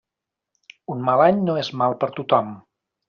Un mal any no és mal per tothom.